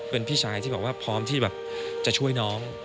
เป็นพี่ชายที่บอกว่าพร้อมที่แบบจะช่วยน้อง